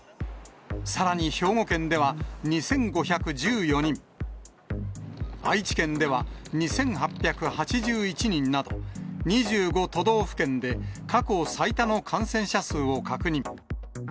さらに兵庫県では２５１４人、愛知県では２８８１人など、２５都道府県で過去最多の感染者数を確認。